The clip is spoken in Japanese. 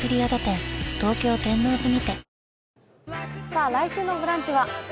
さあ、来週の「ブランチ」は？